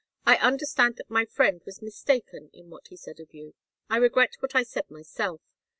I understand that my friend was mistaken in what he said of you. I regret what I said myself.